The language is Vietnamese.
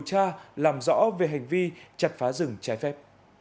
tra làm rõ về hành vi chặt phá rừng trái phép